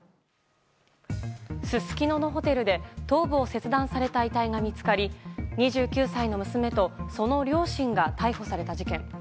すすきののホテルで頭部を切断された遺体が見つかり２９歳の娘とその両親が逮捕された事件。